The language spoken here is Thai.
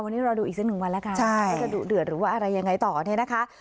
วันนี้รอดูอีกสักหนึ่งวันแล้วกันว่าจะดุเดือดหรือว่าอะไรยังไงต่อเนี่ยนะคะ